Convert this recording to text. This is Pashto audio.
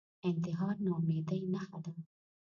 انتحار ناامیدۍ نښه ده